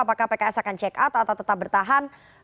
apakah pks akan check out atau tetap bertahan